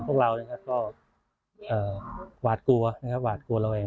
พวกเรานะครับก็เอ่อวาดกลัวนะครับวาดกลัวเราเอง